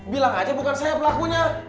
bilang aja bukan saya pelakunya